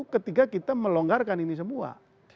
ketika kita melonggarkan ini semua